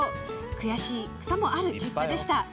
悔しさもある結果でした。